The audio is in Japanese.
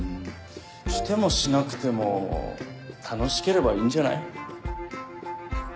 してもしなくても楽しければいいんじゃない？